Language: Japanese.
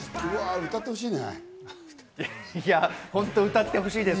歌ってほしいね。